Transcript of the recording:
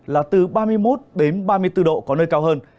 là từ ba mươi một đến ba mươi bốn độ có nơi cao hơn